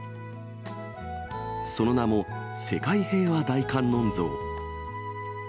その名も世界平和大観音像。